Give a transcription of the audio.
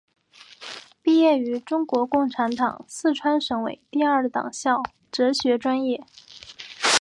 毕业于中国共产党四川省委第二党校哲学专业。